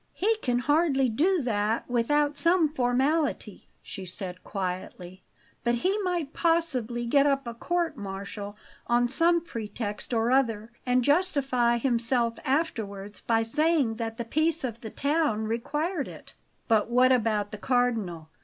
"He can hardly do that without some formality," she said quietly; "but he might possibly get up a court martial on some pretext or other, and justify himself afterwards by saying that the peace of the town required it." "But what about the Cardinal?